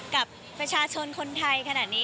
กับประชาชนคนไทยขนาดนี้